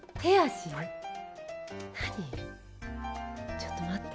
ちょっと待って。